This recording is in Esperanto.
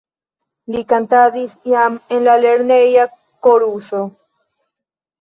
Li kantadis jam en la lerneja koruso.